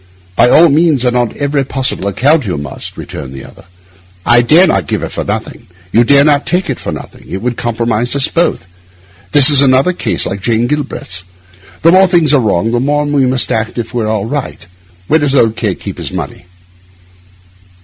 By all means and on every possible account, you must,' returned the other. 'I dare not give it for nothing, you dare not take it for nothing; it would compromise us both. This is another case like Jane Galbraith's. The more things are wrong the more we must act as if all were right. Where does old K— keep his money?